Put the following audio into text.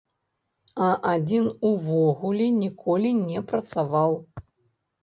А адзін увогуле ніколі не працаваў!